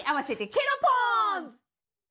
ケロポンズ！